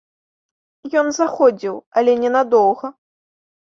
Ён заходзіў, але ненадоўга.